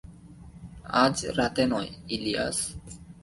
আজ রাতে নয়, ইলিয়াস।